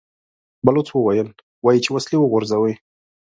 بلوڅ وويل: وايي چې وسلې وغورځوئ!